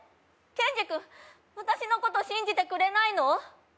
ケンジ君私のこと信じてくれないの？